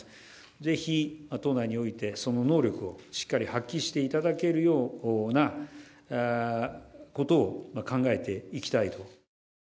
ぜひ党内において、その能力をしっかり発揮していただけるようなことを考えていきたいと。